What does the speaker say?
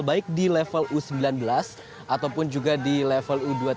baik di level u sembilan belas ataupun juga di level u dua puluh tiga